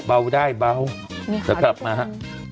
เบาได้เบาเดี๋ยวกลับมาฮะ